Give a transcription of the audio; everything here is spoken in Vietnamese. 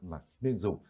mà nên dùng